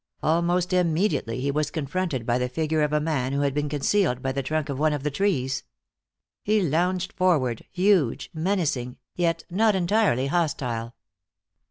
Almost immediately he was confronted by the figure of a man who had been concealed by the trunk of one of the trees. He lounged forward, huge, menacing, yet not entirely hostile.